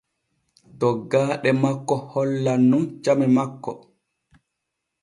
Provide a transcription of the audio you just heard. Toggaaɗe makko hollan nun came makko.